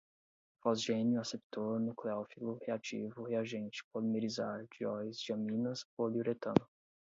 fosgênio, aceptor, nucléofilo, reativo, reagente, polimerizar, dióis, diaminas, poliuretano